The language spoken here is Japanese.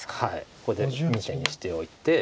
これで２手にしておいて。